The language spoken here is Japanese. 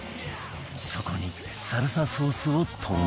そこにサルサソースを投入